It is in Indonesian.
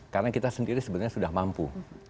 karena kita sendiri sebenarnya sudah mampu